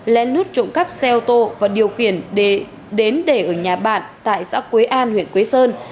lên nút trộm cắp xe ô tô và điều kiện đến để ở nhà bạn tại xã quế an huyện quế sơn